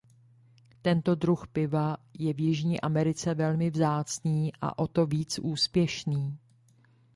Tento druh piva je v Jižní Americe velmi vzácný a o to víc úspěšný.